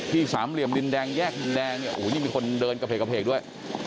สามเหลี่ยมดินแดงแยกดินแดงเนี่ยโอ้โหนี่มีคนเดินกระเพกกระเพกด้วย